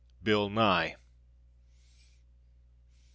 _Bill Nye.